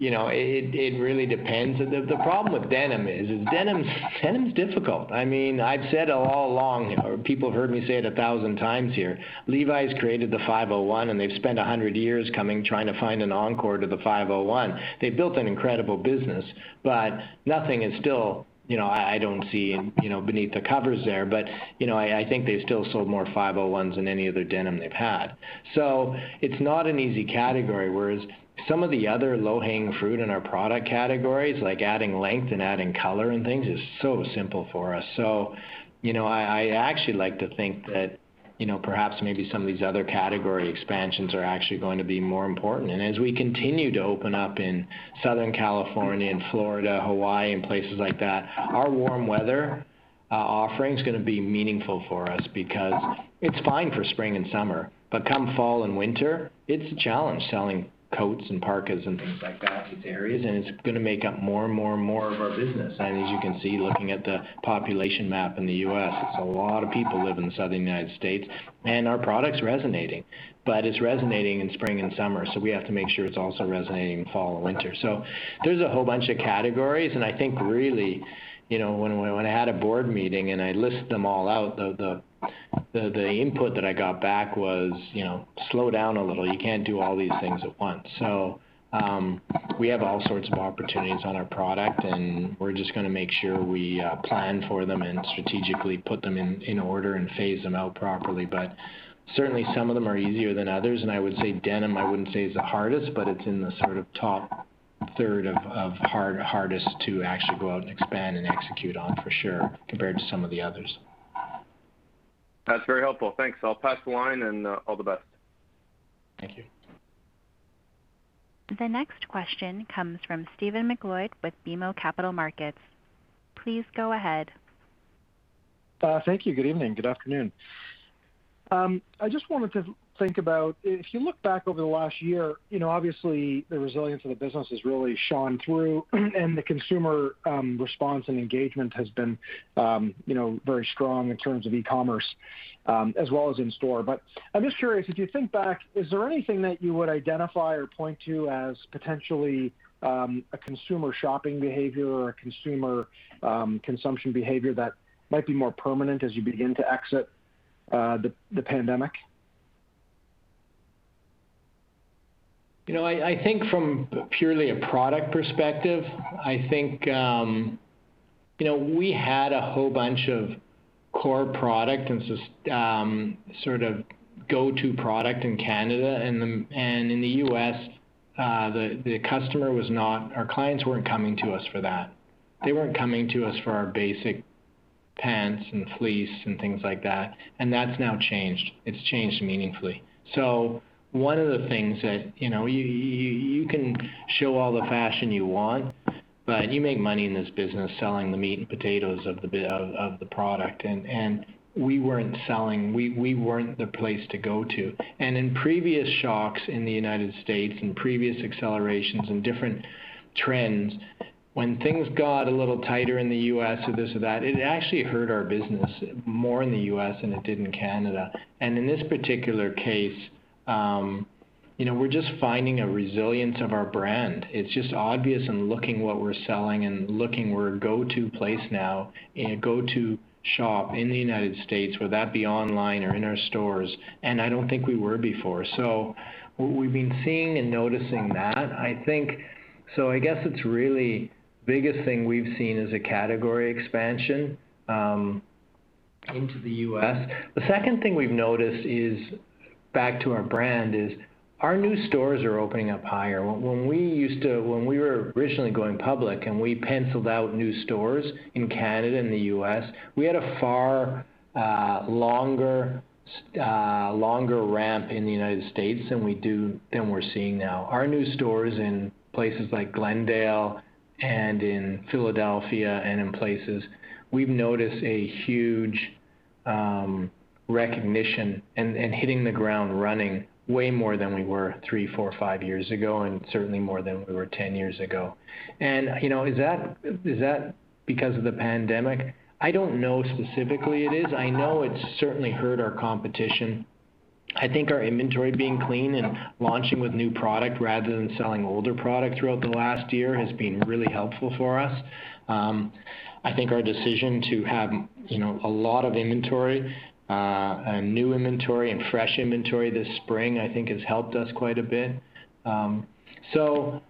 it really depends. The problem with denim is denim's difficult. I've said all along, or people have heard me say it 1,000x here, Levi's created the 501, and they've spent 100 years coming, trying to find an encore to the 501. They've built an incredible business, but nothing is still I don't see beneath the covers there, but I think they've still sold more 501s than any other denim they've had. It's not an easy category, whereas some of the other low-hanging fruit in our product categories, like adding length and adding color and things, is so simple for us. I actually like to think that perhaps maybe some of these other category expansions are actually going to be more important. As we continue to open up in Southern California and Florida, Hawaii, and places like that, our warm weather offering's going to be meaningful for us because it's fine for spring and summer, but come fall and winter, it's a challenge selling coats and parkas and things like that in these areas, and it's going to make up more and more of our business. As you can see, looking at the population map in the U.S., it's a lot of people live in the southern United States, and our product's resonating. It's resonating in spring and summer, so we have to make sure it's also resonating in fall and winter. There's a whole bunch of categories, and I think really, when I had a board meeting and I listed them all out, the input that I got back was, "Slow down a little. You can't do all these things at once." We have all sorts of opportunities on our product, and we're just going to make sure we plan for them and strategically put them in order and phase them out properly. Certainly, some of them are easier than others. I would say denim, I wouldn't say is the hardest, but it's in the sort of top third of hardest to actually go out and expand and execute on, for sure, compared to some of the others. That's very helpful. Thanks. I'll pass the line, and all the best. Thank you. The next question comes from Stephen MacLeod with BMO Capital Markets. Please go ahead. Thank you. Good evening. Good afternoon. I just wanted to think about, if you look back over the last year, obviously the resilience of the business has really shone through, and the consumer response and engagement has been very strong in terms of e-commerce, as well as in store. I'm just curious, as you think back, is there anything that you would identify or point to as potentially a consumer shopping behavior or a consumer consumption behavior that might be more permanent as you begin to exit the pandemic? I think from purely a product perspective, I think we had a whole bunch of core product and sort of go-to product in Canada. In the U.S., our clients weren't coming to us for that. They weren't coming to us for our basic pants and fleece and things like that, and that's now changed. It's changed meaningfully. One of the things that, you can show all the fashion you want, but you make money in this business selling the meat and potatoes of the product. We weren't selling. We weren't the place to go to. In previous shocks in the United States, in previous accelerations and different trends, when things got a little tighter in the U.S. or this or that, it actually hurt our business more in the U.S. than it did in Canada. In this particular case, we're just finding a resilience of our brand. It's just obvious in looking what we're selling and looking, we're a go-to place now and a go-to shop in the United States, whether that be online or in our stores, and I don't think we were before. What we've been seeing and noticing that, I think, so I guess it's really biggest thing we've seen is a category expansion into the U.S. The second thing we've noticed is, back to our brand is, our new stores are opening up higher. When we were originally going public and we penciled out new stores in Canada and the U.S., we had a far longer ramp in the United States than we're seeing now. Our new stores in places like Glendale and in Philadelphia and in places, we've noticed a huge recognition and hitting the ground running way more than we were three, four, five years ago, and certainly more than we were 10 years ago. Is that because of the pandemic? I don't know specifically it is. I know it's certainly hurt our competition. I think our inventory being clean and launching with new product rather than selling older product throughout the last year has been really helpful for us. I think our decision to have a lot of inventory, and new inventory and fresh inventory this spring, I think, has helped us quite a bit. I don't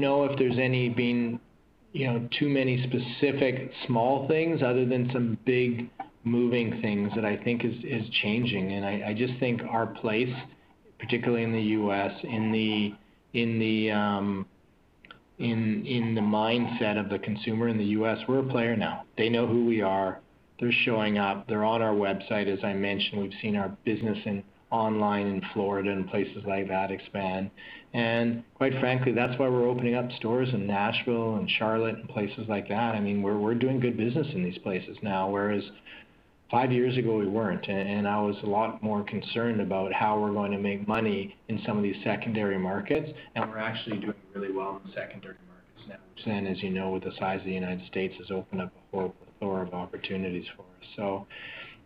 know if there's too many specific small things other than some big moving things that I think is changing. I just think our place, particularly in the U.S., in the mindset of the consumer in the U.S., we're a player now. They know who we are. They're showing up. They're on our website. As I mentioned, we've seen our business in online in Florida and places like that expand. Quite frankly, that's why we're opening up stores in Nashville and Charlotte and places like that. We're doing good business in these places now, whereas five years ago we weren't. I was a lot more concerned about how we're going to make money in some of these secondary markets, and we're actually doing really well in secondary markets now, which then, as you know, with the size of the United States, has opened up a whole plethora of opportunities for us.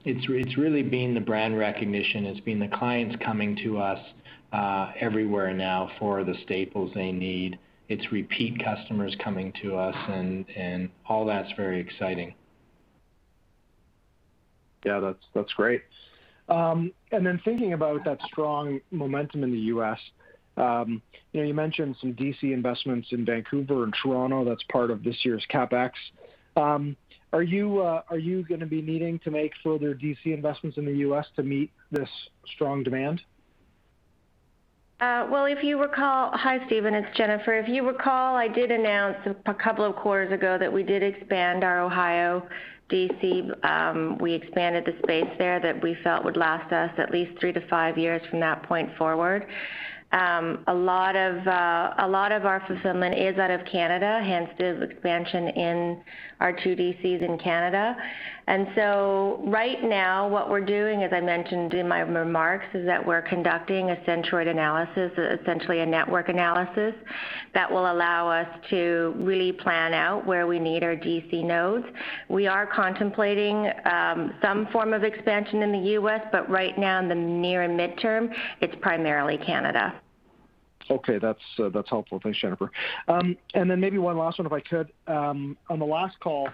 It's really been the brand recognition. It's been the clients coming to us everywhere now for the staples they need. It's repeat customers coming to us and all that's very exciting. Yeah, that's great. thinking about that strong momentum in the U.S., you mentioned some DC investments in Vancouver and Toronto that's part of this year's CapEx. Are you going to be needing to make further DC investments in the U.S. to meet this strong demand? Hi, Stephen. It's Jennifer. If you recall, I did announce a couple of quarters ago that we did expand our Ohio DC. We expanded the space there that we felt would last us at least three to five years from that point forward. A lot of our fulfillment is out of Canada, hence the expansion in our two DCs in Canada. right now, what we're doing, as I mentioned in my remarks, is that we're conducting a centroid analysis, essentially a network analysis, that will allow us to really plan out where we need our DC nodes. We are contemplating some form of expansion in the U.S., but right now, in the near and midterm, it's primarily Canada. Okay. That's helpful. Thanks, Jennifer. Maybe one last one if I could. On the last call,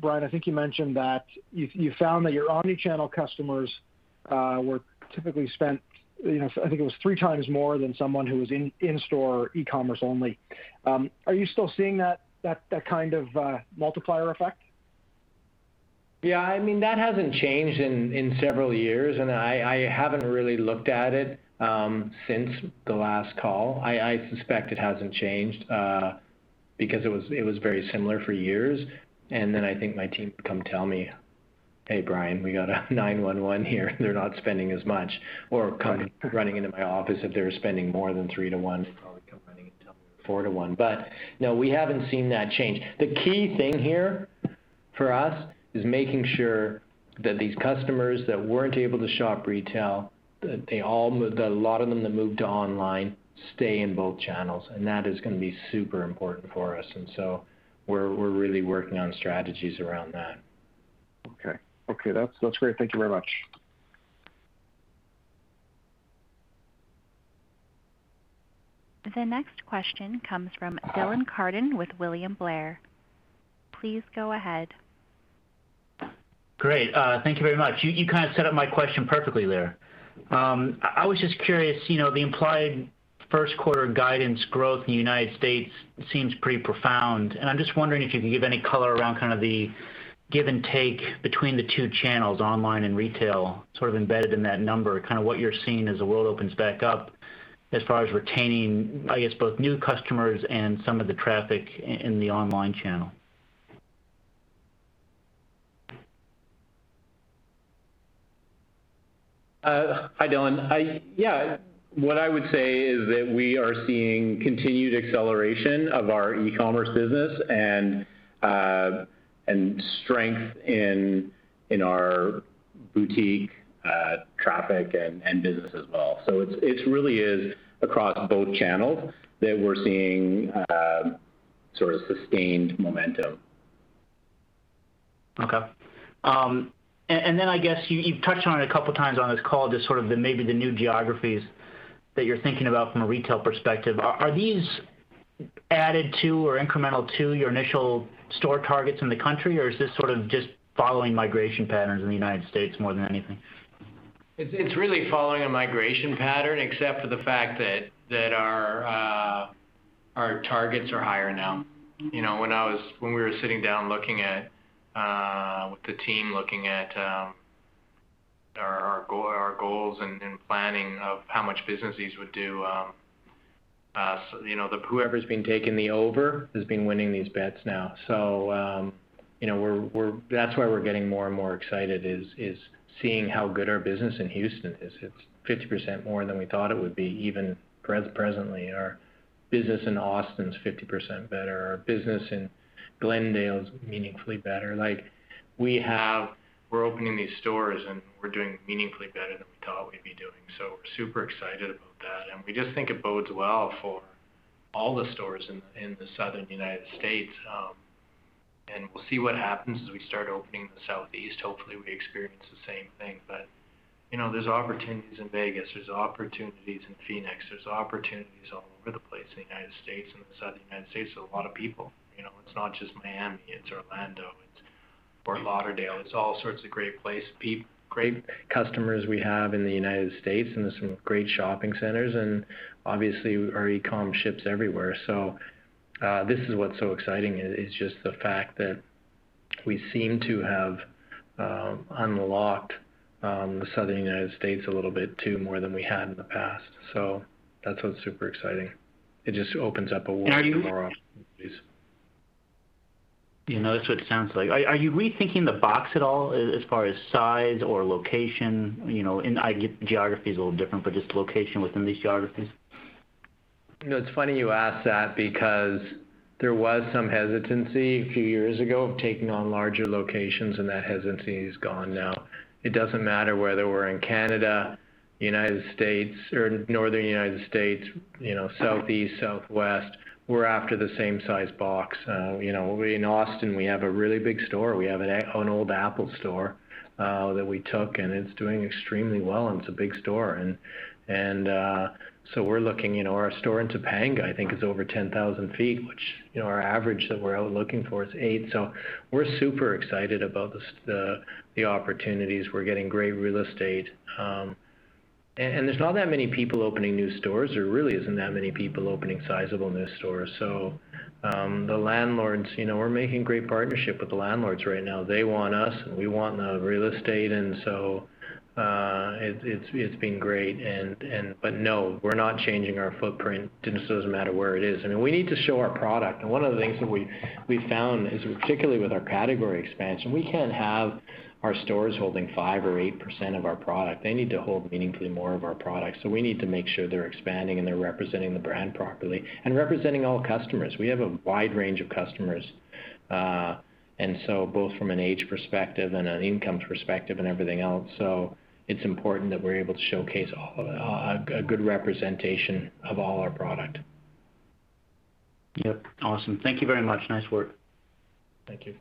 Brian, I think you mentioned that you found that your omni-channel customers were typically spent, I think it was three times more than someone who was in-store or e-commerce only. Are you still seeing that kind of multiplier effect? Yeah, that hasn't changed in several years, and I haven't really looked at it since the last call. I suspect it hasn't changed because it was very similar for years. I think my team would come tell me, "Hey, Brian, we got a 911 here. They're not spending as much." Come running into my office if they were spending more than three to one. They'd probably come running and tell me we're four to one. No, we haven't seen that change. The key thing here for us is making sure that these customers that weren't able to shop retail, that a lot of them that moved to online stay in both channels, and that is going to be super important for us. We're really working on strategies around that. Okay. That's great. Thank you very much. The next question comes from Dylan Carden with William Blair. Please go ahead. Great. Thank you very much. You set up my question perfectly there. I was just curious, the implied first quarter guidance growth in the United States seems pretty profound, and I'm just wondering if you could give any color around the give and take between the two channels, online and retail, embedded in that number, what you're seeing as the world opens back up as far as retaining, I guess, both new customers and some of the traffic in the online channel? Hi, Dylan. Yeah. What I would say is that we are seeing continued acceleration of our e-commerce business and strength in our boutique traffic and business as well. it really is across both channels that we're seeing sustained momentum. Okay. then I guess you've touched on it a couple of times on this call, just sort of maybe the new geographies that you're thinking about from a retail perspective. Are these added to or incremental to your initial store targets in the country, or is this just following migration patterns in the United States more than anything? It's really following a migration pattern, except for the fact that our targets are higher now. When we were sitting down with the team, looking at our goals and planning of how much business these would do, whoever's been taking the over has been winning these bets now. That's why we're getting more and more excited is seeing how good our business in Houston is. It's 50% more than we thought it would be, even presently. Our business in Austin is 50% better. Our business in Glendale is meaningfully better. We're opening these stores, and we're doing meaningfully better than we thought we'd be doing. We're super excited about that, and we just think it bodes well for all the stores in the southern United States. We'll see what happens as we start opening in the Southeast. Hopefully, we experience the same thing. there's opportunities in Vegas, there's opportunities in Phoenix, there's opportunities all over the place in the United States and the southern United States. There's a lot of people. It's not just Miami, it's Orlando, it's Fort Lauderdale. It's all sorts of great place, great customers we have in the United States, and there's some great shopping centers, and obviously our e-com ships everywhere. this is what's so exciting is just the fact that we seem to have unlocked the southern United States a little bit, too, more than we had in the past. that's what's super exciting. It just opens up a world of more opportunities. That's what it sounds like. Are you rethinking the box at all as far as size or location? I get geography is a little different, but just location within these geographies. It's funny you ask that because there was some hesitancy a few years ago of taking on larger locations, and that hesitancy is gone now. It doesn't matter whether we're in Canada, United States, or northern United States, southeast, southwest, we're after the same size box. In Austin, we have a really big store. We have an old Apple store that we took, and it's doing extremely well, and it's a big store. We're looking, our store in Topanga, I think, is over 10,000 feet, which our average that we're looking for is eight. We're super excited about the opportunities. We're getting great real estate. There's not that many people opening new stores. There really isn't that many people opening sizable new stores. The landlords, we're making great partnership with the landlords right now. They want us, and we want the real estate, and so it's been great. no, we're not changing our footprint. it doesn't matter where it is. I mean, we need to show our product, and one of the things that we found is, particularly with our category expansion, we can't have our stores holding 5 or 8% of our product. They need to hold meaningfully more of our product. we need to make sure they're expanding and they're representing the brand properly and representing all customers. We have a wide range of customers, and so both from an age perspective and an income perspective and everything else. it's important that we're able to showcase a good representation of all our product. Yep. Awesome. Thank you very much. Nice work. Thank you.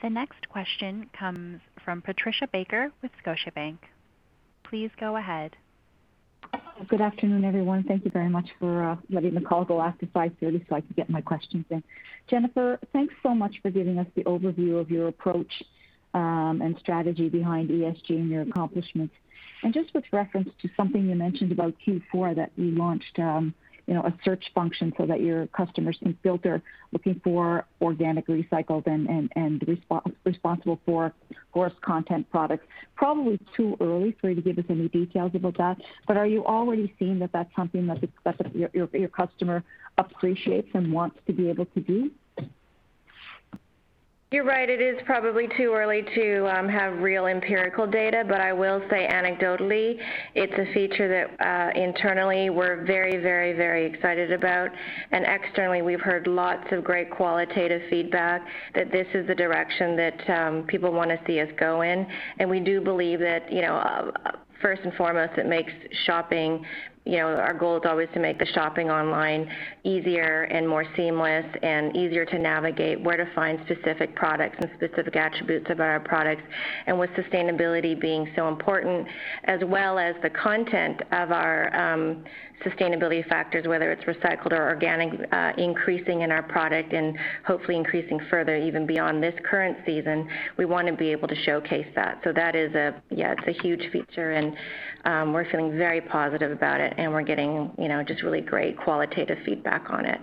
The next question comes from Patricia Baker with Scotiabank. Please go ahead. Good afternoon, everyone. Thank you very much for letting the call go after 5:30 so I could get my questions in. Jennifer, thanks so much for giving us the overview of your approach and strategy behind ESG and your accomplishments. Just with reference to something you mentioned about Q4, that you launched a search function so that your customers can filter looking for organic, recycled, and responsible for forest content products. Probably too early for you to give us any details about that, but are you already seeing that that's something that your customer appreciates and wants to be able to do? You're right. It is probably too early to have real empirical data, but I will say anecdotally, it's a feature that internally we're very excited about, and externally, we've heard lots of great qualitative feedback that this is the direction that people want to see us go in. We do believe that, first and foremost, it makes- Shopping, our goal is always to make the shopping online easier and more seamless, and easier to navigate, where to find specific products and specific attributes of our products. With sustainability being so important, as well as the content of our sustainability factors, whether it's recycled or organic, increasing in our product and hopefully increasing further even beyond this current season, we want to be able to showcase that. That is a, yeah, it's a huge feature, and we're feeling very positive about it. We're getting just really great qualitative feedback on it.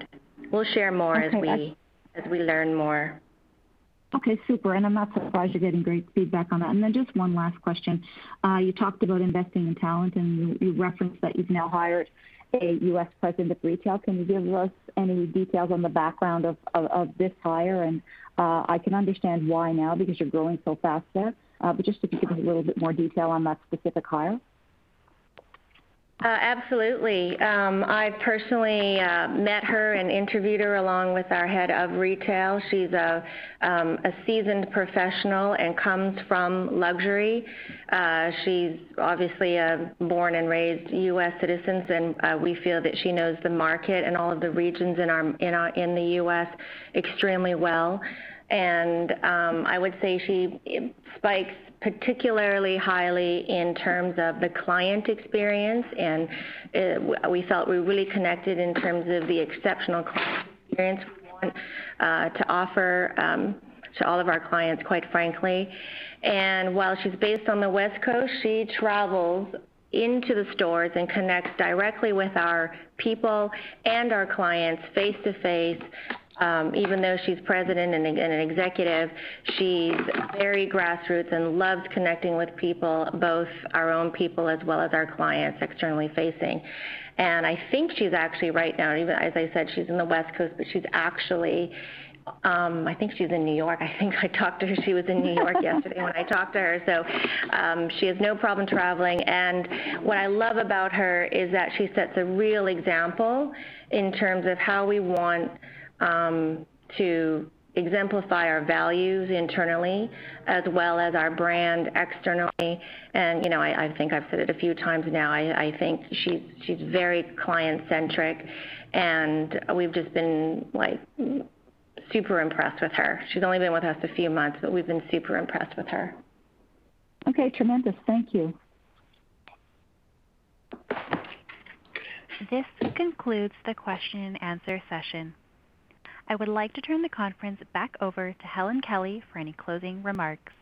We'll share more as we learn more. Okay, super. I'm not surprised you're getting great feedback on that. Just one last question. You talked about investing in talent, and you referenced that you've now hired a U.S. president of retail. Can you give us any details on the background of this hire? I can understand why now, because you're growing so fast there. Just if you could give a little bit more detail on that specific hire. Absolutely. I personally met her and interviewed her along with our head of retail. She's a seasoned professional and comes from luxury. She's obviously a born and raised U.S. citizen, and we feel that she knows the market and all of the regions in the U.S. extremely well. I would say she spikes particularly highly in terms of the client experience, and we felt we really connected in terms of the exceptional client experience we want to offer to all of our clients, quite frankly. While she's based on the West Coast, she travels into the stores and connects directly with our people and our clients face-to-face. Even though she's president and an executive, she's very grassroots and loves connecting with people, both our own people as well as our clients externally facing. I think she's actually right now, even as I said, she's in the West Coast, but she's actually, I think she's in New York. I think I talked to her, she was in New York yesterday when I talked to her. She has no problem traveling, and what I love about her is that she sets a real example in terms of how we want to exemplify our values internally as well as our brand externally, and I think I've said it a few times now, I think she's very client-centric, and we've just been super impressed with her. She's only been with us a few months, but we've been super impressed with her. Okay, tremendous. Thank you. This concludes the question and answer session. I would like to turn the conference back over to Helen Kelly for any closing remarks.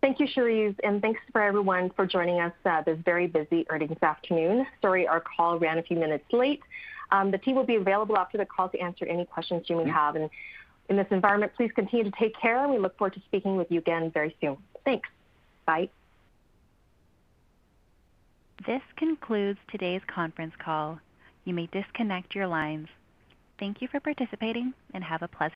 Thank you, Charisse, and thanks for everyone for joining us this very busy earnings afternoon. Sorry our call ran a few minutes late. The team will be available after the call to answer any questions you may have. In this environment, please continue to take care. We look forward to speaking with you again very soon. Thanks. Bye. This concludes today's conference call. You may disconnect your lines. Thank you for participating, and have a pleasant